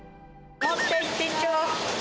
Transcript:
持ってってちょ。